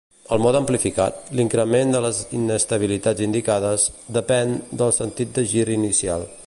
El mode amplificat, l'increment de les inestabilitats indicades, depèn del sentit de gir inicial.